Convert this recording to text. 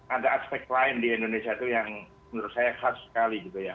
ada aspek lain di indonesia itu yang menurut saya khas sekali gitu ya